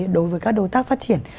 đối với các đối tác phát triển